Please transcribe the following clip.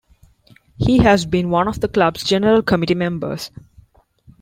He has been one of the club's general committee members.